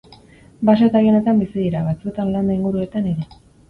Baso eta oihanetan bizi dira, batzuetan landa inguruetan ere.